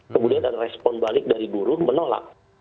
kemudian ada respon balik dari buruh menolak